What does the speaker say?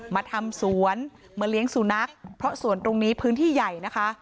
มาทำสวนมาเลี้ยงสุนัขเพราะสวนตรงนี้พื้นที่ใหญ่นะคะ